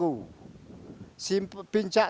pencak silat siadam ini artinya menyerang